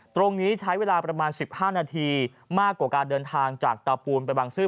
ตรงนี้ใช้เวลาประมาณ๑๕นาทีมากกว่าการเดินทางจากเตาปูนไปบางซื่อ